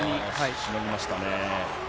しのぎましたね。